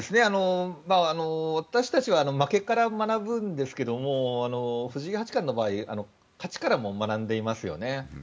私たちは負けから学ぶんですが藤井八冠の場合勝ちからも学んでいますよね。